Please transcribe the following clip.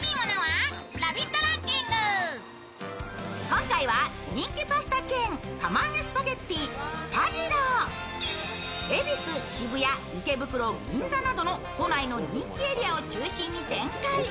今回は人気パスタチェーン、釜揚げスパゲッティすぱじろう恵比寿、渋谷、池袋、銀座などの都内の人気エリアを中心に展開。